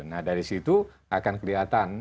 nah dari situ akan kelihatan